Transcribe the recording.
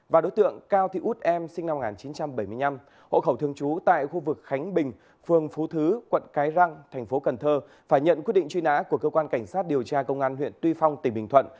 và đối tượng cao thị út em sinh năm một nghìn chín trăm bảy mươi năm hộ khẩu thường trú tại khu vực khánh bình phường phú thứ quận cái răng thành phố cần thơ phải nhận quyết định truy nã của cơ quan cảnh sát điều tra công an huyện tuy phong tỉnh bình thuận